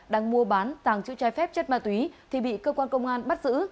đang mua bán tàng chữ trái phép chất ma túy thì bị cơ quan công an bắt giữ